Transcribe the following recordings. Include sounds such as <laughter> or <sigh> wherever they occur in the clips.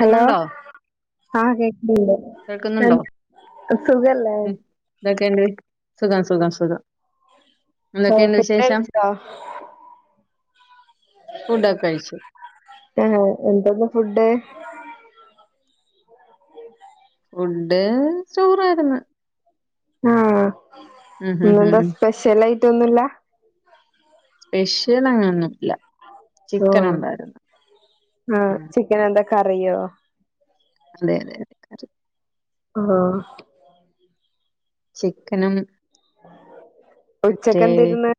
Hello ആഹ് കേക്ക്ണിണ്ട്. കേൾക്കുന്നുണ്ടോ <unintelligible> സുഖല്ലേ? എന്തെക്കെണ്ട്? സുഖം, സുഖം, സുഖം. ഓഹ് എന്തെക്കേണ്ട് ഫുഡ് വിശേഷം? കഴിച്ചോ ഫുഡൊക്ക കഴിച്ചു. ആഹ് എന്താപ്പ ഫുഡ്? ഫുഡ് ചോറാര്ന്ന്. ആഹ് ഉം ഉം ഉം ഇന്നെന്താ ഉം. സ്പെഷ്യലായ്ട്ടൊന്നുല്ല. സ്പെഷ്യല് അങ്ങനൊന്നും ഇല്ല. ആഹ് ആ ഉം. ചിക്കനെന്താ കറിയോ? അതെ അതെ. അതെ കറി. ആഹ് ചിക്കനും, മറ്റേ ഉച്ചക്കെന്തിരുന്ന്?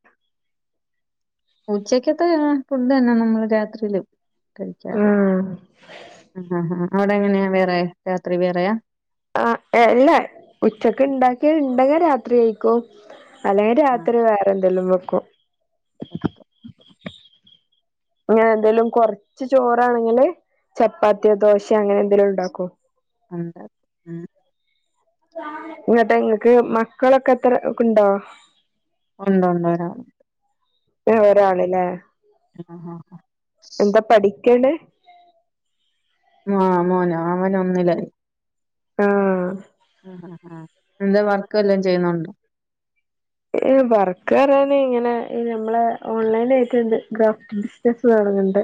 ഉച്ചക്കത്തെ ഏ ഫുഡ് തന്ന നമ്മള് രാത്രിയിലും കഴിക്കാറ്. ആഹ് ആഹ് ഹാ ഹാ അവിടെ എങ്ങനെയാ വേറെ, രാത്രി വേറെയാ? ആഹ് അല്ല ഉച്ചക്ക്ണ്ടാക്കിയതിണ്ടങ്കി രാത്രി കയിക്കും. അല്ലെങ്കി ആ രാത്രി വേറെന്തെലും വെക്കും. <unintelligible> <inaudible> അങ്ങനെ എന്തേലും കൊറച്ച് ചോറാണെങ്കില് ചപ്പാത്തിയോ ദോശ അങ്ങനെ എന്തെലും ഉണ്ടാക്കും. ഉം ഉം. ഇങ്ങട്ട ങ്ങക്ക് മക്കളൊക്കെ എത്ര ക്കുണ്ടോ? ഉണ്ടൊണ്ട് ഒരാള് ഒരാള് ലേ. ഇ ഹ ഹ ഹ. എന്താ പഠിക്കെണ്? ആഹ് മോനോ അവനൊന്നില്ലായി. ആഹ്. ആഹ് അ അ എന്താ വർക്ക്വല്ലാം ചെയ്യുണുണ്ടോ? വർക്ക് പറയാന് ഇങ്ങനെ നമ്മളെ ഓൺലൈൻ ആയിട്ട്ണ്ട് ക്രാഫ്റ്റ് ബിസിനസ് തൊടങ്ണ്ട്.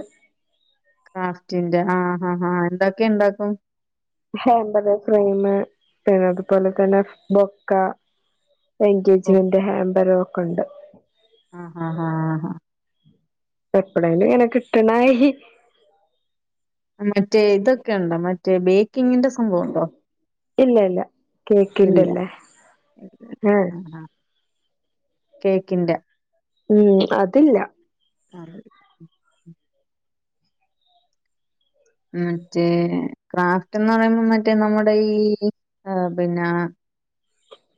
ക്രാഫ്റ്റിന്റെ ആഹ് ആഹ് ആഹ് എന്തൊക്കെ ഇണ്ടാക്കും? <unintelligible> ഫ്രൈമ് പിന്നെ അതുപോലെ തന്നെ ബൊക്ക. ഓഹ് എൻഗേജ്മെന്റ് ഹാമ്പറ് ഒക്കെണ്ട് ആഹ് ഹ ഹ. എപ്പളേലും ഇങ്ങനെ കിട്ടണായി. മറ്റേ ഇതൊക്കെ ഉണ്ടോ മറ്റേ ബേക്കിങ്ങിന്റെ സംഭവുണ്ടോ? ഇല്ല ഇല്ല ഇല്ല കേക്കിന്റെല്ലേ <inaudible> ആഹ്. കേക്കിന്റെ. ഉം അതില്ല. അറ്. <inaudible> മറ്റേ ക്രാഫ്റ്റെന്ന് റയുമ്പോം മറ്റേ നമ്മുടെ ഈ. ആ പിന്ന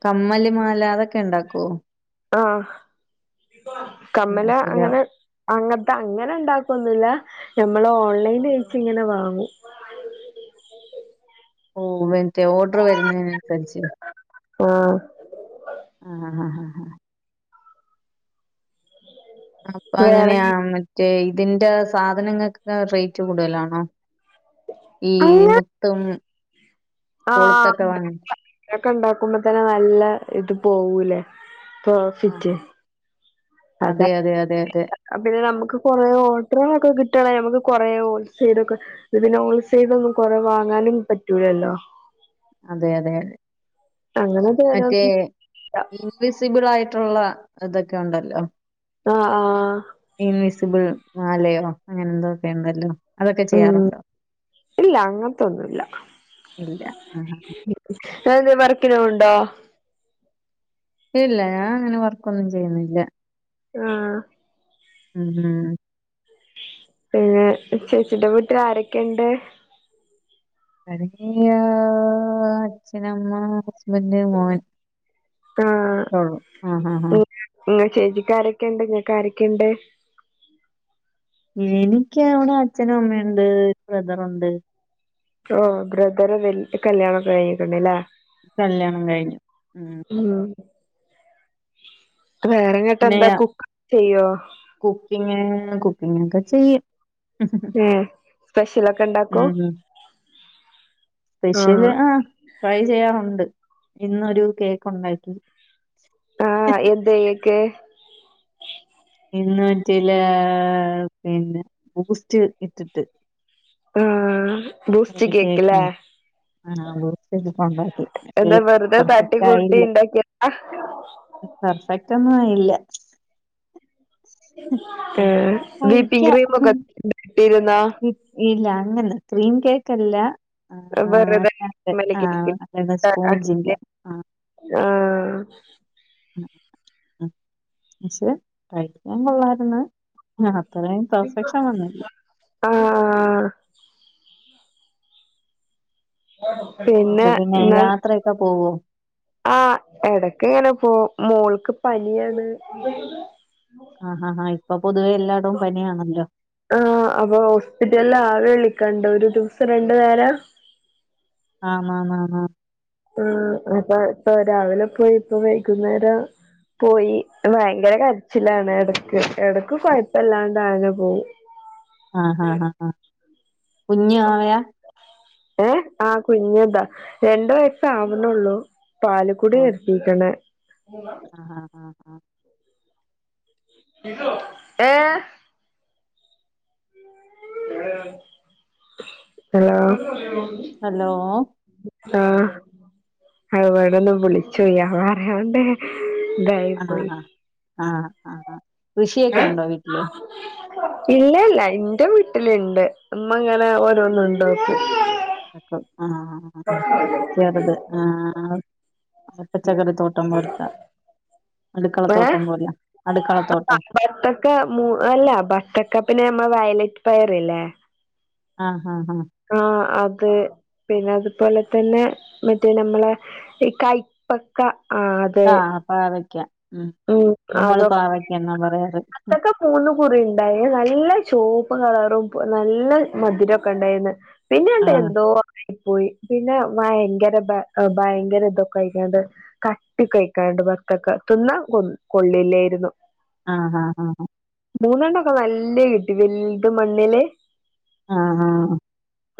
കമ്മല് മാല അതൊക്കെ ഇണ്ടാക്കോ? ആഹ് കമ്മല ഉണ്ടാക്കൂല അങ്ങനെ. അങ്ങൻത്തെ അങ്ങനെ ഇണ്ടാക്ക്ന്നില്ല ഞമ്മള് ഓൺലൈനായിറ്റ് ഇങ്ങനെ വാങ്ങൂ. ഓ വറ്റേ ഓർഡർ വര്നെനൻസരിച്ച്. ആഹ്. ആഹ് ഹ ഹ ഹ വേറെ അങ്ങനെയാ മറ്റേ ഇതിന്റെ സാധനങ്ങക്. വ റെയ്റ്റ് കൂടുതലാണോ ഈ മുത്തും. ആ കൊളുത്തൊക്കെ വാങ്ങ <inaudible> ക്കെ ഇണ്ടാക്കുമ്പോ തന്നെ നല്ല ഇത് പോവൂലേ? ആ പ്രോഫിറ്റ്. അതെ അതെ അതെ അതെ. അത് പിന്നെ നമക്ക് കുറെ ഓട്റ്ളൊക്കെ കിട്ടാണെ നമക്ക് കൊറെ ഹോൽസൈലൊക്കെ. ഇത് പിന്നെ ഹോൾസൈലൊന്നും കൊറെ വാങ്ങാനും പറ്റൂലല്ലോ? അതെ അതെ അതെ അങ്ങനെ മറ്റേ തരാനൊന്നുല്ല ഇ. വിസിബിളായിട്ടുള്ള ഇതൊക്കെ ഉണ്ടല്ലോ. ആഹ് ആഹ്. ഇൻവിസിബിള് മാലയോ അങ്ങനെ എന്തോക്കെ ഇണ്ടല്ലോ? ഉം ഇല്ല അങ്ങത്തൊന്നുല്ല. ഇല്ല ആ ഏതെങ്കിലും വർക്കിന് പോണുണ്ടോ? ഇല്ല ഞാ അങ്ങനെ വർക്കൊന്നും ചെയ്യുന്നില്ല. ആഹ്. ഉം ഉം. പിന്നെ ചേച്ചിന്റെ വീട്ടി ആരൊക്കെണ്ട്? <inaudible> അച്ഛനമ്മ ഹസ്ബന്ഡ് മോൻ. ഓഹ് ആഹ് ആഹ് ആഹ്. നിങ്ങ ചേച്ചിക്കാരൊക്കെണ്ട് ഇങ്ങക്ക് ആരൊക്കെയുണ്ട് എനിക്ക് അവ്ടെ അച്ഛനും അമ്മയുണ്ട് ബ്രദറുണ്ട്. ഓ ബ്രതറ വലത് കല്യാണണംക്കെ കഴിഞ്ഞിട്ടണ്ടല്ലേ കല്ല്യാണം കഴിഞ്ഞു ഉം ഉം വേറെങ്ങോട്ട പിന്നെ എന്താ കുക്ക് ചെയ്യോ കുക്കിങ് കുക്കിങ് ഒക്കെ ചെയ്യും ഏഹ് സ്പെഷ്യലൊക്കെ ഇണ്ടാക്കോ ഉം ഉം. സ്പെഷ്യല് ആഹ് ആ ട്രൈ ചെയ്യാറുണ്ട് ഇന്നൊരു കേക്ക് ഉണ്ടായിട്ട് ആഹ് എന്തൊ കേക്ക് ഇന്ന് വറ്റല പിന്നെ ബൂസ്റ്റ് ഇട്ടിട്ട് ആഹ് ദൂസ്റ്റ് കേക്കലേ ആഹ് <unintelligible> ഉണ്ടാക്കി പക്ഷ എന്താ വെറുതെ പെർഫെക്റ്റ് തട്ടിക്കൂട്ടി ആയില്ലേ ഇണ്ടാക്കിയതാ പെർഫെക്റ്റ് ഒന്നും ആയില്ല എന്നാ വിപ്പിംഗ് കഴിക്കാം ക്രീമൊക്കെ ഒക്കെട്ടുരുന്നോ ഇല്ല അങ്ങനെ ക്രീം കേക്കല്ല ആഹ് വെറുതെ കേക്ക് ആഹ് അതെ സ്പോഞ്ച്ന്റെ ആഹ് പക്ഷേ കഴിക്കൻ കൊള്ളാായിരുന്നു ആഹ് ആത്രേം പെർഫെക്ഷൻ വന്നില്ല ആഹ് അത്ര പിന്നെ എന്നാ യാത്രയൊക്കെ പോവോ ആഹ് എടക്ക ഇങ്ങണെ പോ മോൾക്ക് പനിയാണ് ആ ആ ആ ഇപ്പൊ പൊതുവേ എല്ലായിടും പനിയാണല്ലോ ആഹ് അപ്പൊ ഹോസ്പിറ്റലിൽ ആവി വിളിക്കണ്ട ഒരു ദിവസം രണ്ടു നേരം ആഹ് ആഹ് ആഹ് ആഹ് ആഹ് അപ്പ ഇപ്പൊ രാവിലെ പോയി ഇപ്പോ വൈകുന്നേരം പോയി ഭയങ്കര കരച്ചിലാണ് ഇടക്ക് ഇടക്ക് പഴപ്പല്ലാണ്ട്നെ പോവും ആഹ് ഹാ ആ ആ കുഞ്ഞു വാവയ ഏഹ് ആ കുഞ്ഞന്താ രണ്ടു വയസ്സ ആവനള്ളു പാലക്കുടി ഇങ്ങനെ ആഹ് ആഹ് ആഹ് ഇതു ഹലോ ഹലോ ആഹ് അടൊന്ന് വിളിച്ചുല്ല്യ പറയാണ്ടേ ആഹ് ആഹ് ആഹ് കൃഷിയൊക്കെ ഉണ്ടോ വീട്ടില് ഇല്ല ഇല്ല ന്റെ വീട്ടിലുണ്ട് ഉമ്മങ്ങനെ ഓരോന്നും ഉണ്ട് നോക്കി ക്ക ആഹ് ആറത് ആഹ് പ പച്ചക്കറി തോട്ടം പോലത്ത അടുക്കളത്തോട്ടം ഏഹ് പോല ആ അടുക്കളത്തോട്ടം ബത്തക്ക മ അല്ല ബത്തക്ക പിന്നെ നമ്മളെ വയലറ്റ് പയർല്ലേ ആഹ് ഹ് ആഹ് ആഹ് അത് പിന്നെ അതുപോലെ തന്നെ മറ്റേ നമ്മളെ ഈ കൈപ്പക്ക ആഹ് ആഹ് പാവക്ക നമ്മള് അതൊക്കെ പാവക്ക എന്നാ പറയാറ് ഉം ബത്തക്ക മൂന്ന് കുറി ഉണ്ടായി നല്ല ചുവപ്പ് കളറും നല്ല മധുരൊക്കെ ഉണ്ടായിന്ന് പിന്നെണ്ട് ആഹ്. എന്തോ പോയി പിന്നെ ഭയങ്കര ഭയങ്കര ഇതൊക്കെ ആയിങ്ങാണ്ട് കട്ടി ഒക്കെ ആഴിക്കാണ്ട് വത്തക്കെ തിന്നാൻ കൊ കൊള്ളില്ലായിരുന്നു ആഹാ ഹാ മൂന്നണ്ണോക്കെ നല്ല കിട്ടി വലുത മണ്ണില് ആഹ് ഹാ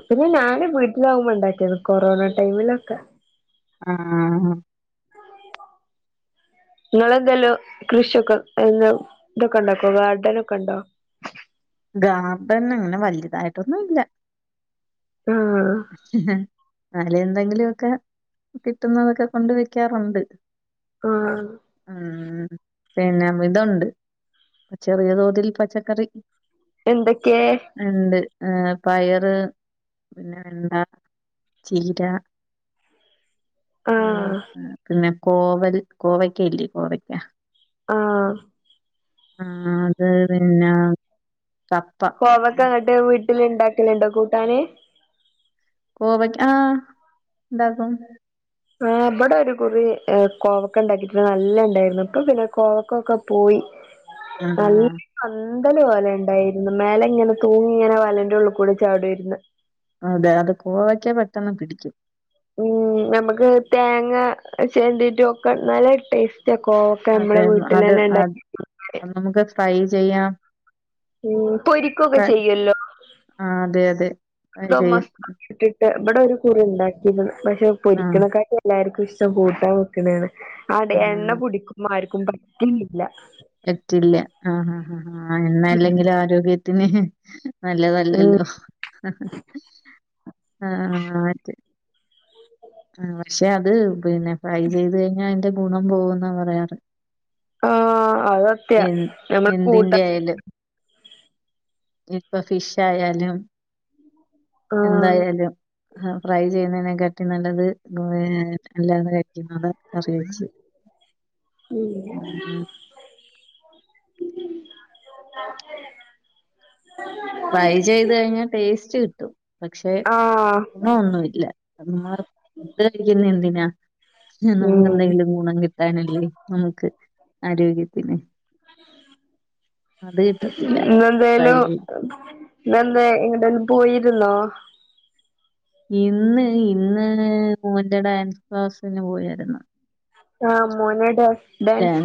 പിന്നെ ഞാൻ വീട്ടിലാവുമ്പോണ്ടാക്കിയത കൊറോണ ടൈമിലൊക്കെ ആഹ് നിങ്ങെന്തല്ലോ കൃഷിയൊക്കെ എന്താ ഇതൊക്കെ ഉണ്ടാക്കോ ഗാർഡൻ ഒക്കെണ്ടോ ഗാർഡൻ അങ്ങനെ വലുതായിട്ടൊന്നും ഇല്ല ആഹ് അലെ എന്തെങ്കിലൊക്കെ കിട്ടുന്നതൊക്കെ കൊണ്ട് വെക്കാറുണ്ട് ആഹ് ഉം പിന്നെ ഇതുണ്ട് ചെറിയ തോതിൽ പച്ചക്കറി എന്തൊക്കെയ ഉണ്ട് ഏഹ് പയറ് പിന്നെ വെണ്ട ചീര ആഹ് അ പിന്നെ കോവൽ കോവയ്ക്കല്ലേ കോവയ്ക്ക ആഹ് ആഹ് അത് പിന്നെ കപ്പ കോവക്കെ ഉം. ഇന്നട്ട് വീട്ടിൽ ഇണ്ടാക്കലുണ്ടോ കൂട്ടാന് കോവക്ക ആഹ് ഇണ്ടാക്കും ആഹ് ഇബടെ ഒരു കുറി കോവക്ക ഉണ്ടാക്കിട്ട് നല്ല ഉണ്ടായിരുന്നു ഇപ്പൊ പിന്നെ കോവക്കൊക്കെ പോയി ആ നൽ പന്തലും പോലെ ഉണ്ടായിരുന്നു മേലെ ഇങ്ങനെ തൂങ്ങി ഇങ്ങനെ വലന്റെ ഉള്ളിൽ കൂടെ ചാടു ആയിരുന്ന് അതെ അത് കോവയ്ക്ക പെട്ടെന്ന് പിടിക്കും ഉം നമുക്ക് തേങ്ങ ചരണ്ടിറ്റു ഒക്കെ നല്ല ടേസ്റ്റ് കോവ ഒക്കെ നമ്മളെ വീട്ടിൽ തന്നെ ഉണ്ടാക്ക ആഹ് നമുക്ക് ഫ്രൈ ചെയ്യാം ഉം പൊരിക്കൊക്കെ ചെയ്യല്ലോ ആഹ് അതെ അതെ ഫ്രൈ ഇതോ ചെയ്യും മസാലയിട്ടിട്ടു ഇവിടെ ഒരു കുറി ഉണ്ടാക്കിരുന്നു പക്ഷെ ആ പൊരിക്കുന്ന കായും എല്ലാർക്കും ഇഷ്ടം കൂട്ടാൻ വെക്കുന്നതാണ് അടെ ആ എണ്ണ പിടിക്കും ആർക്കും പറ്റണില്ല പറ്റില്ല ആഹ് എണ്ണ അല്ലെങ്കിലും ആരോഗ്യത്തിന് ഉം നല്ലതല്ലല്ലോ ആഹ് മറ്റേ ആഹ് പക്ഷെ അത് പിന്നെ ഫ്രൈ ചെയ്ത് കഴിഞ്ഞാൽ അതിന്റെ ഗുണം പോവെന്നാ പറയാറ് ആഹ് അത് സത്യാ ഏഹ് നമ്മൾ എന്തിന്റെ കൂട്ടാൻ ആയാലും ഇപ്പൊ ഫിഷ് ആയാലും ആഹ് എന്തായാലും ആ ഫ്രൈ ചെയ്യുന്നതിനെക്കട്ടി നല്ലത് <unintelligible> <unintelligible> <unintelligible> ഫ്രൈ ചെയ്ത് കഴിഞ്ഞാൽ ടേസ്റ്റ് കിട്ടും പക്ഷെ ആഹ് ണ ഒന്നുമല്ല നമ്മള് ഇ ഫുഡ്‌ കഴിക്കുന്ന എന്തിനാ? എ നമുക്ക് ഉം എന്തെങ്കിലും ഗുണം കിട്ടാനല്ലേ നമുക്ക് ആരോഗ്യത്തിന്, അത് കിട്ടത്തില്ല ഇന്ന് ട്രൈ എന്തേലും ചെയ്ത് പിന്നെന്ത ഇന്ന് എങ്ങടെങ്കിലും പോയിരുന്നോ ഇന്ന് ഇന്ന് മോന്റെ ഡാൻസ് ക്ലാസിനു പോയായിരുന്നു. ആഹ മോനാഡാഷ് ഡാൻ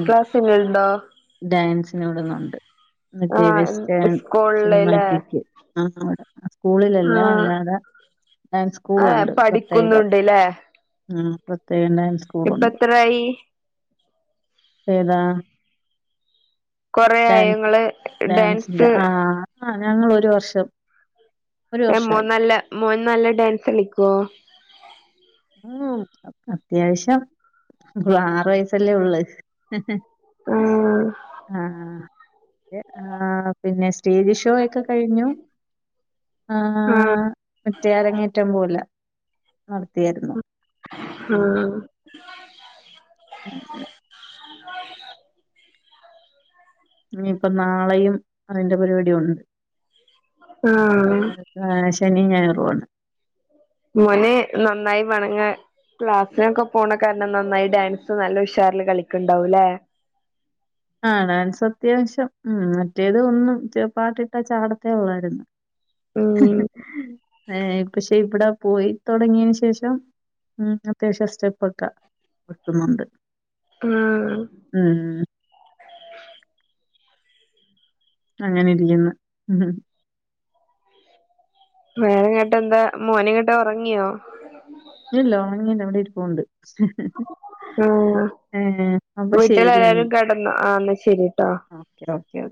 ഡാൻസിനോടുന്നുണ്ട്. മറ്റേ ആഹ് വെസ്റ്റേൺ സ്കൂളില്ല്ലേ സിനിമാറ്റിക്. ആ അവിടെ സ്കൂളിലല്ല ആഹ് അല്ലാത ഡയൻസ് ഏഹ് സ്കൂൾുണ്ട് പ്രത്യേകം പഠിക്കുന്നുണ്ട്ല്ലേ ഉ പ്രത്യേകം ഡാൻസ് ഇപ്പ സ്കൂളുണ്ട് എത്രായി? ഏതാ? കൊറേ ആയോ ഡാൻസ് ഇങ്ങള് ഡാൻസിന്റെ ഡാൻസ് ആഹ ആ ഞങ്ങൾ ഒരു വർഷം. ഒരു ഏഹ് മോൻ വർഷമായി നല്ല മോൻ നല്ല ഡാൻസളിക്കോ? ഉം അഅത്യാവശ്യം, ഇള് ആറ് വയസല്ലേ ഉള്ള് ഹ് ഹ് ആഹ് ആഹ് ആഹ് പിന്നെ സ്റ്റേജ് ഷോയ്ക്ക് കഴിഞ്ഞു ആ ആഹ് മറ്റേ അരങ്ങേറ്റം പോല നടത്തിയാര്ന്നു. ആഹ്. <unintelligible> <inaudible> ഞ്ഞിപ്പൊ നാളെയും അതിന്റെ പരിപാടിയുണ്ട്. ആഹ് ആ ശന്യും ഞായറൂ ആണ്. മോന് നന്നായി വണങ്ങ് ക്ലാസ്സിനൊക്കെ പോണ കാരണം നന്നായി ഡാൻസ് നല്ല ഉഷാറിൽ കളിക്കണ്ടാവും ലേ? ആ ഡാൻസ് അത്യാവശ്യം ഉം മറ്റേത് ഒന്നും പാട്ടിട്ടാ ചാടത്തേ ഉള്ളായിര് ന്ന്. ഉം. ഹ് പക്ഷെ ഇവിട പോയിതൊടങ്ങിയന് ശേഷം, ഉം അത്യാവശ്യം സ്റ്റെപ്പൊക്കെ വെക്കുന്നുണ്ട്. ആഹ്. ഉം. അങ്ങനിരിക്കുന്ന് ഉം. വേറെങ്ങട്ട് എന്താ മോനങ്ങട്ട് ഉറങ്ങിയോ? ല്ലല്ല ഒറങ്ങില്ല അവടെരിപോണ്ട്. ആഹ് ശരി എങ്കി വീട്ടിൽലെല്ലാരും കെടന്നോ ആ എന്നാ ശരിട്ടോ? ഓക്കെഓക്കെ.